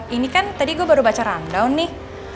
ini kan tadi gue baru baca rundown nih